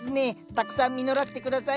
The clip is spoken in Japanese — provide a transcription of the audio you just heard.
たくさん実らせて下さい。